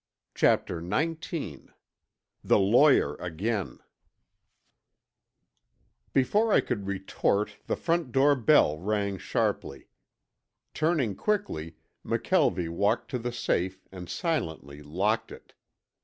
CHAPTER XIX THE LAWYER AGAIN Before I could retort the front door bell rang sharply. Turning quickly McKelvie walked to the safe and silently locked it.